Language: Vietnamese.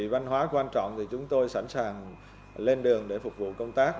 văn hóa quan trọng chúng tôi sẵn sàng lên đường để phục vụ công tác